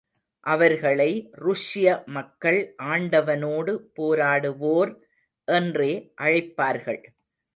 அவர்களை ருஷ்ய மக்கள் ஆண்டவனோடு போராடுவோர் என்றே அழைப்பார்கள்.